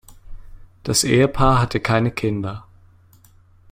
Das Ehepaar hatte keine Kinder.